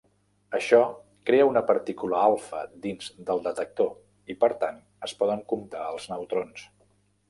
Això crea una partícula alfa dins del detector i, per tant, es poden comptar els neutrons.